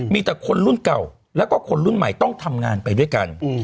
มีแต่คนรุ่นเก่าแล้วก็คนรุ่นใหม่ต้องทำงานไปด้วยกัน